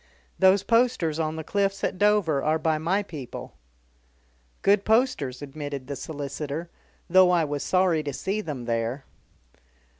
Those posters on the Cliffs at Dover are by my people." "Good posters," admitted the solicitor, "though I was sorry to see them there."